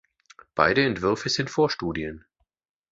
Beide Entwürfe sind Vorstudien.